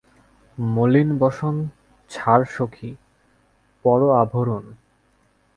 মলিন বসন ছাড় সখি, পর আভরণ।